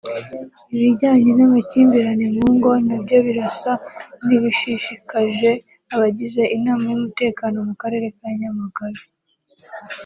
Ibijyanye n’amakimbirane mu ngo na byo birasa n’ibishishikaje abagize inama y’umutekano mu karere ka Nyamagabe